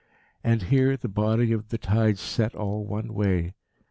And here the body of the tide set all one way.